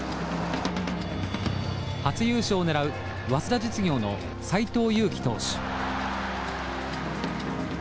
初優勝を狙う早稲田実業の斎藤佑樹投手。